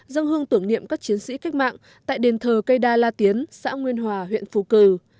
dâng hương tưởng niệm các chiến sĩ cách mạng tại đền thờ cây đa la tiến xã nguyên hòa huyện phù cử